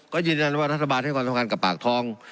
ก็ยืนยันว่ารัฐบาลให้ก่อนทำงานกับปากทอง